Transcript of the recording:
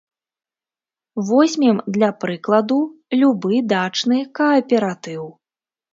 Возьмем, для прыкладу, любы дачны кааператыў.